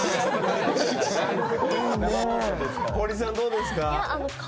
堀さん、どうですか？